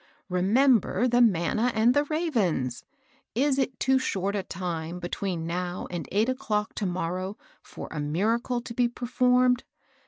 Remember the manna and the ravens ! Is it too short a time between now and eight o'clock to morrow for a miracle to be performed